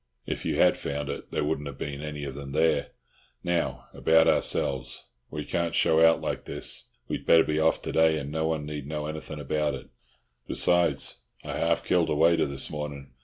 "If you had found it, there wouldn't have been any of them there. Now, about ourselves—we can't show out like this. We'd better be off to day, and no one need know anything about it. Besides, I half killed a waiter this morning.